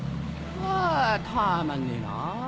かたまんねえな。